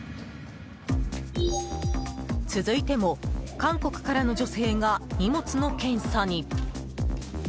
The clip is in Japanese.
続いても、韓国からの女性が荷物の検査。